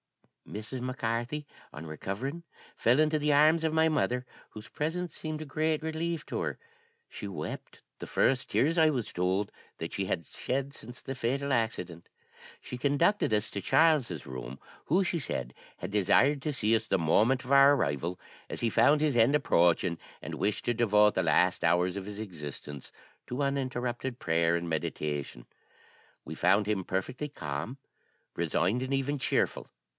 "Mrs. Mac Carthy, on recovering, fell into the arms of my mother, whose presence seemed a great relief to her. She wept the first tears, I was told, that she had shed since the fatal accident. She conducted us to Charles's room, who, she said, had desired to see us the moment of our arrival, as he found his end approaching, and wished to devote the last hours of his existence to uninterrupted prayer and meditation. We found him perfectly calm, resigned, and even cheerful.